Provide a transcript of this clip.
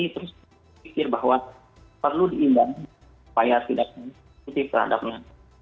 terus berpikir bahwa perlu diimbang supaya tidak konsumtif terhadap menarik